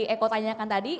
eko tanyakan tadi